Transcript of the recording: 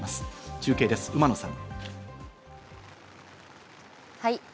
中継です、馬野さん。